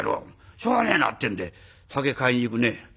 しょうがねえな』ってんで酒買いに行くね。